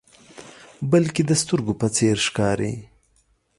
بلکې د سترګو په څیر ښکاري.